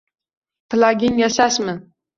Tilaging yashashmi?!